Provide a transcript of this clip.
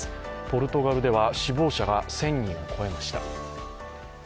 ポルトガルでは死亡者が１０００人を超えました。